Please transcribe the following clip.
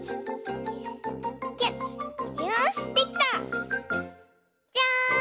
よしできた！じゃん！